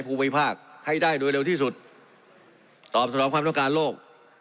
ภูมิภาคให้ได้โดยเร็วที่สุดตอบสนองความต้องการโลก